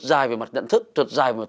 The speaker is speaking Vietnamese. có ở nhà không sao